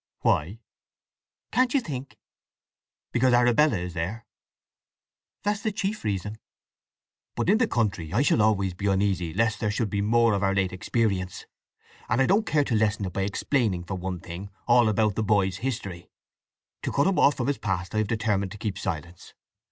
"Why?" "Can't you think?" "Because Arabella is there?" "That's the chief reason." "But in the country I shall always be uneasy lest there should be some more of our late experience. And I don't care to lessen it by explaining, for one thing, all about the boy's history. To cut him off from his past I have determined to keep silence.